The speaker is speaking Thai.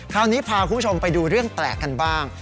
คราวนี้พาคุณผู้ชมไปดูเรื่องแปลกกันบ้าง